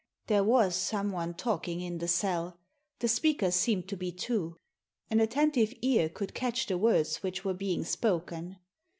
There was someone talking in the cell. The speakers seemed to be two. An attentive ear could catch the words which were being spoken.